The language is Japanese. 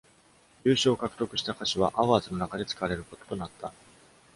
優勝を獲得した歌詞は、「アワーズ」の中で使われることとなった。